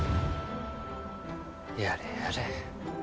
やれやれ。